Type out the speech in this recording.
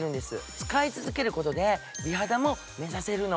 使い続けることで美肌も目指せるの。